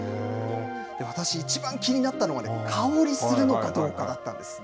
私、一番気になったのはね、香り、するのかどうかだったんです。